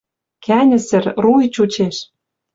Кӓньӹсӹр, руй чучеш.